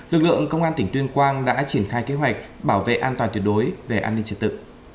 lực lượng công an tỉnh tuyên quang đã triển khai kế hoạch bảo vệ an toàn tuyệt đối về an ninh trật tự